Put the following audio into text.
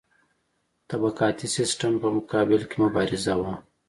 طبقاتي سیستم په مقابل کې مبارزه وه.